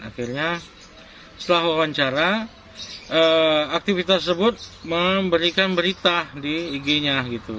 akhirnya setelah wawancara aktivitas tersebut memberikan berita di ig nya gitu